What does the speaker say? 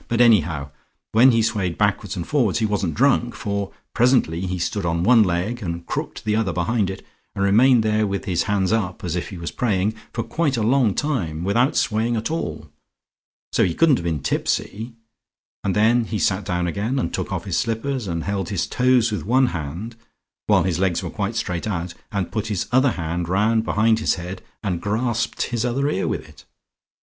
But anyhow when he swayed backwards and forwards, he wasn't drunk, for presently he stood on one leg, and crooked the other behind it, and remained there with his hands up, as if he was praying, for quite a long time without swaying at all. So he couldn't have been tipsy. And then he sat down again, and took off his slippers, and held his toes with one hand, while his legs were quite straight out, and put his other hand round behind his head, and grasped his other ear with it.